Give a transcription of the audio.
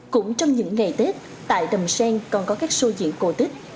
cũng trong những ngày tết tại đầm sen còn có các show diễn cổ tích